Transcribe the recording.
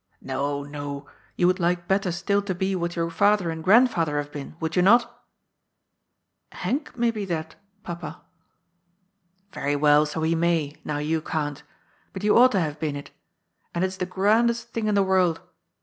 " ^NTo, no. You would like better still to be what your father and grandfather have been, would you not ?"" Henk may be that. Papa." 100 c^0Iys FOOL, " Very well, bo lie may, now you can't. But you ought to have been it. And it is the grandest thing in the world.